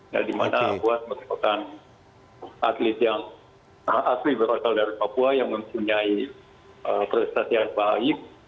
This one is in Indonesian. nah di mana puas merupakan atlet yang asli berasal dari papua yang mempunyai prestasi yang baik